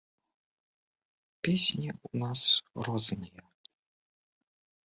Песні ў нас розныя!